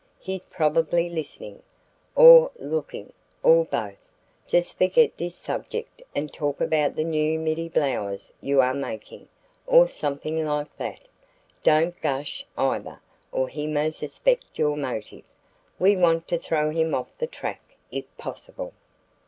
He's probably listening, or looking, or both. Just forget this subject and talk about the new middy blouse you are making, or something like that. Don't gush, either, or he may suspect your motive. We want to throw him off the track if possible."